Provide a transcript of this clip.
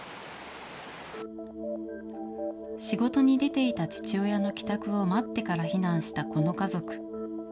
仕事に出ていた父親の帰宅を待ってから避難したこの家族。